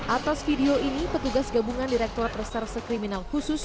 atas video ini petugas gabungan direktorat reserse kriminal khusus